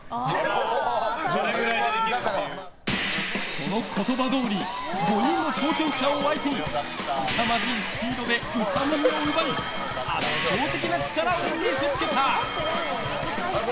その言葉どおり５人の挑戦者を相手にすさまじいスピードでウサ耳を奪い圧倒的な力を見せつけた。